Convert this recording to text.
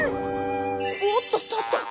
おっとっとっと。